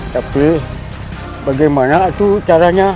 tapi bagaimana itu caranya